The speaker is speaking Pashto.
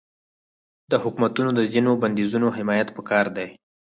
د حکومتونو د ځینو بندیزونو حمایت پکار دی.